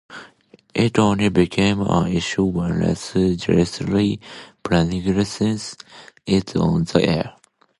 It only becomes an issue when Les jealously plagiarizes it on the air.